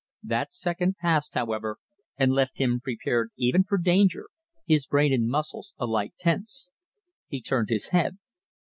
That second passed, however, and left him prepared even for danger, his brain and muscles alike tense. He turned his head.